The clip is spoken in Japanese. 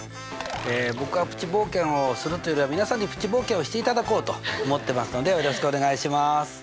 僕はプチ冒険をするというよりは皆さんにプチ冒険をしていただこうと思ってますのでよろしくお願いします！